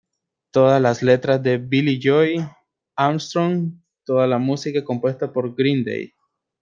Todas las letras de Billie Joe Armstrong, toda la música compuesta por Green Day.